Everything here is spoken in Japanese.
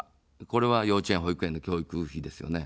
これは幼稚園、保育園の教育費ですよね。